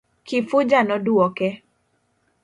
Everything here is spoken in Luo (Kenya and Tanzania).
Kifuja noduoke.